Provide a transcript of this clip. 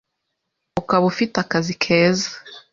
Ukaba ufite akazi keza